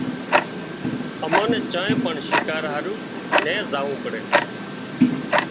منين چانئين پڻ شڪار هارو نين زاوون پڙي